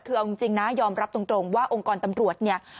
คือเอาจริงนะยอมรับตรงว่าองค์กรตำรวจเนี่ย